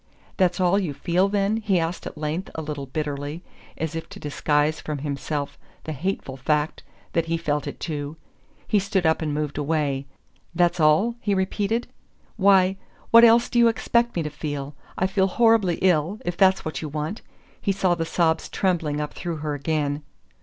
"That's all you feel, then?" he asked at length a little bitterly, as if to disguise from himself the hateful fact that he felt it too. He stood up and moved away. "That's all?" he repeated. "Why, what else do you expect me to feel? I feel horribly ill, if that's what you want." He saw the sobs trembling up through her again.